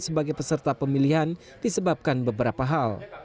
sebagai peserta pemilihan disebabkan beberapa hal